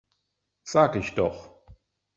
Sag ich doch!